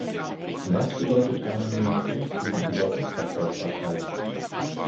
Was bedeutet Anonymität gegenüber Rückverfolgbarkeit?